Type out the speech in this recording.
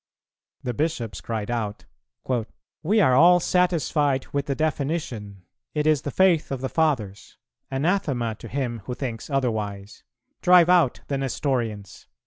The Bishops cried out, "We are all satisfied with the definition; it is the faith of the Fathers: anathema to him who thinks otherwise: drive out the Nestorians."